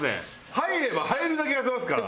入れば入るだけ痩せますから。